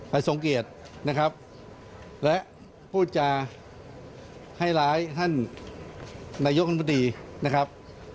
ทรงเกียรตินะครับและพูดจาให้ร้ายท่านนายกรรมตรีนะครับ